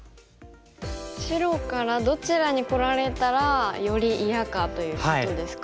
白からどちらにこられたらより嫌かということですか。